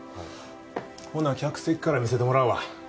ほな客席から見せてもらうわ。